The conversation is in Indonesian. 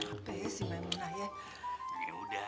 aduh kenapa sih pak imunah ya